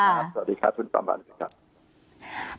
สวัสดีค่ะทุนตำรวจ